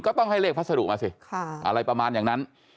ต้องให้เลขพัสดุมาสิอะไรประมาณอย่างนั้น